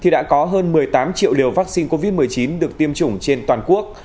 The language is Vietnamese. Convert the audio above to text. đã có hơn một mươi tám triệu liều vaccine covid một mươi chín được tiêm chủng trên toàn quốc